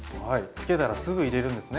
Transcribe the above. つけたらすぐ入れるんですね。